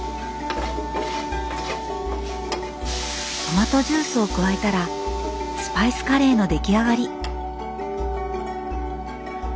トマトジュースを加えたらスパイスカレーの出来上がり。